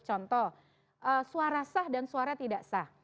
contoh suara sah dan suara tidak sah